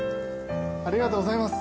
ありがとうございます。